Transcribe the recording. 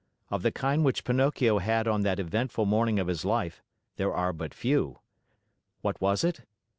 Of the kind which Pinocchio had on that eventful morning of his life, there are but few. What was it?